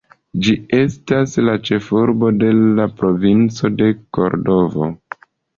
Ĝi estas la ĉefurbo de la provinco de Kordovo.